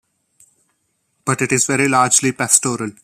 But it is very largely pastoral.